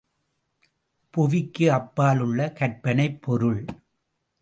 புவிக்கு அப்பாலுள்ள கற்பனைப் பொருள்.